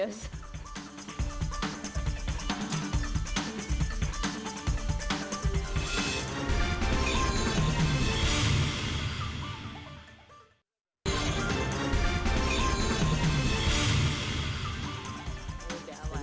kita selamat jalan